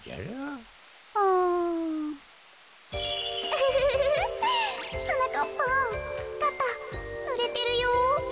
ウフフフはなかっぱんかたぬれてるよ。